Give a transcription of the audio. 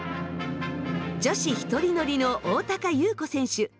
女子１人乗りの大高優子選手。